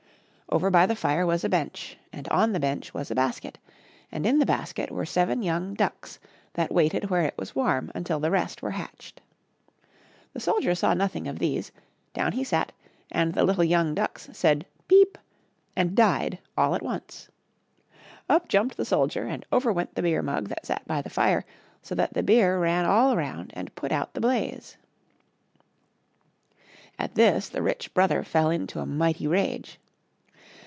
Over by the fire was a bench, and on the bench was a basket, and in the 30 HOW ONE TURNED HIS TROUBLE TO SOME ACCOUNT. basket were seven young ducks that waited where it was warm until the rest were hatched. The soldier saw nothing of these ; down he sat, and the lit tle young ducks said " peep ! and died all at once. Up jumped the soldier and over went the beer mug that sat by the fire so that the beer ran all around and put out the blaze. At this the rich brother fell into a mighty rage.